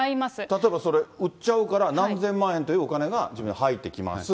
例えばそれ売っちゃうから、何千万円というお金が自分に入ってきます。